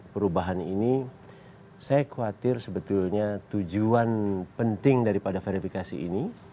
perubahan ini saya khawatir sebetulnya tujuan penting daripada verifikasi ini